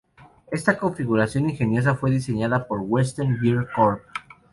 Esta configuración ingeniosa fue diseñada por Western Gear Corp.